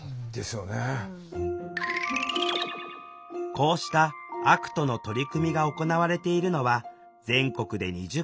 こうしたＡＣＴの取り組みが行われているのは全国で２０か所ほど。